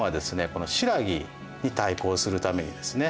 この新羅に対抗するためにですね